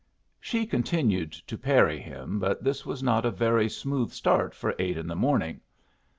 She continued to parry him, but this was not a very smooth start for eight in the morning.